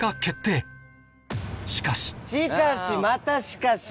「しかし」！